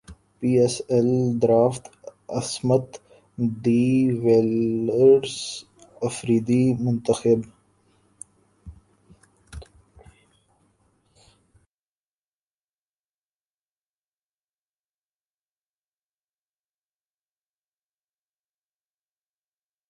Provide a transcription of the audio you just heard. پی S L draft Smith de Villiers Afridi منتخب